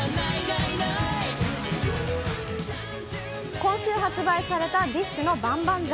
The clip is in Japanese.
今週発売された、ＤＩＳＨ／／の万々歳。